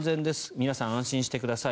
皆さん、安心してください